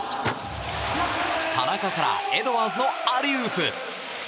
田中からエドワーズへのアリウープ。